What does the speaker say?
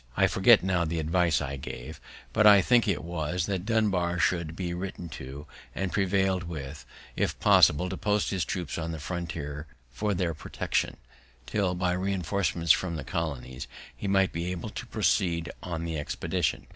I forget now the advice I gave; but I think it was, that Dunbar should be written to, and prevail'd with, if possible, to post his troops on the frontiers for their protection, till, by reinforcements from the colonies, he might be able to proceed on the expedition.